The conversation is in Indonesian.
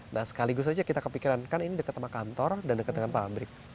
nah sekaligus aja kita kepikiran kan ini deket sama kantor dan deket sama pabrik